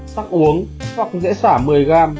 sắc uống gọc dễ xả một mươi g